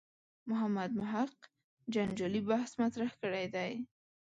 محمد محق جنجالي بحث مطرح کړی دی.